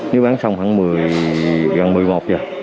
nếu bán xong khoảng gần một mươi một giờ